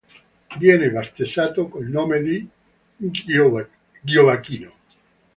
Viene battezzato col nome di Giovacchino.